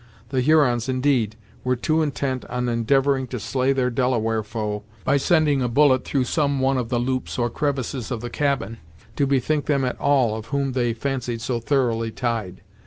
The Hurons, indeed, were too intent on endeavoring to slay their Delaware foe, by sending a bullet through some one of the loops or crevices of the cabin, to bethink them at all of one whom they fancied so thoroughly tied.